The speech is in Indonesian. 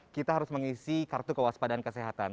kita harus mengisi kartu kewaspadaan kesehatan